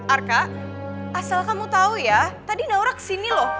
arka asal kamu tahu ya tadi naura kesini loh